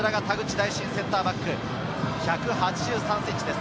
大慎、センターバック１８３ｃｍです。